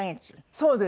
そうですね。